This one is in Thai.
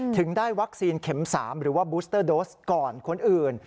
ถึงได้วัคซีนเข็ม๓หรือว่าบูสเตอร์โดสก่อนคนอื่น